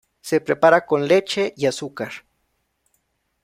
Se prepara con leche y azúcar.